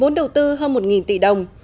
vốn đầu tư hơn một tỷ đồng